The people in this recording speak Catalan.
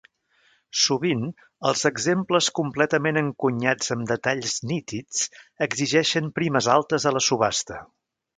Sovint, els exemples completament encunyats amb detalls nítids exigeixen primes altes a la subhasta.